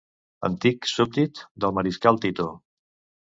Antic súbdit del mariscal Tito.